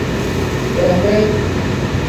رحمت